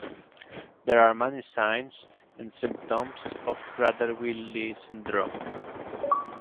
There are many signs and symptoms of Prader-Willi syndrome.